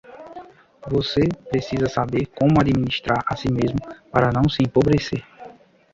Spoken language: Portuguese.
Você precisa saber como administrar a si mesmo para não se empobrecer.